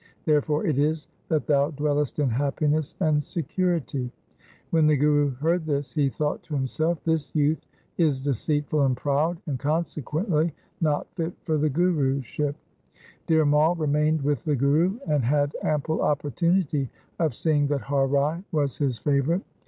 Therefore it is that thou dwellest in happiness and security.' When the Guru heard this he thought to himself, ' This youth is deceitful and proud, and consequently not fit for the Guruship.' Dhir Mai remained with the Guru and had ample opportunity of seeing that Har Rai was his favourite.